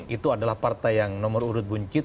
itu adalah partai yang nomor urut buncit